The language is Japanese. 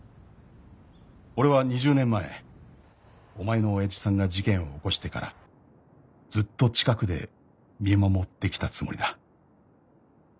「俺は２０年前お前の親父さんが事件を起こしてからずっと近くで見守ってきたつもりだ」